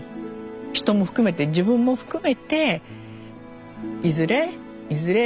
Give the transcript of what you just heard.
人も含めて自分も含めていずれいずれ。